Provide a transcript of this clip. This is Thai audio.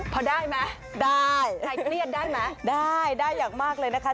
พอได้ไหมได้ใครเครียดได้ไหมได้ได้อย่างมากเลยนะคะ